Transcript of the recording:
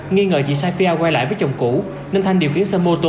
nghi ngờ chị safia quay lại với chồng cũ nên thanh điều khiến xe mô tô